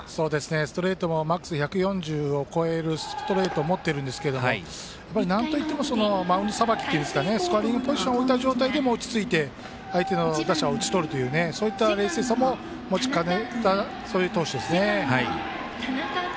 ストレートもマックス１４０を超えるストレートも持ってるんですがなんといってもマウンドさばきというかスコアリングポジションに置いた状態でも、落ち着いて相手の打者を打ち取るという冷静さも持っている投手ですね。